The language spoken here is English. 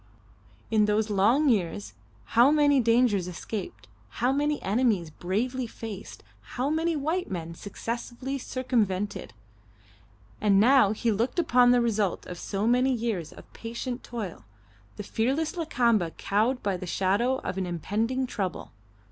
In those long years how many dangers escaped, how many enemies bravely faced, how many white men successfully circumvented! And now he looked upon the result of so many years of patient toil: the fearless Lakamba cowed by the shadow of an impending trouble.